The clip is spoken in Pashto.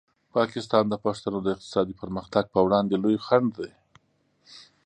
پاکستان د پښتنو د اقتصادي پرمختګ په وړاندې لوی خنډ دی.